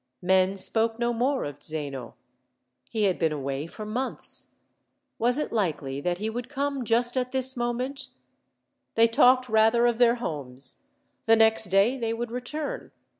Men spoke no more of Zeno. He had been away for months. Was it likely that he would come just at this moment? They talked rather of their homes. The next day they would return.